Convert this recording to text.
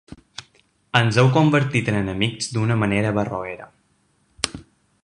Ens heu convertit en enemics d’una manera barroera.